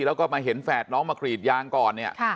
แล้วก็มาเห็นแฝดน้องมากรีดยางก่อนเนี่ย